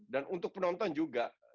dan untuk penonton juga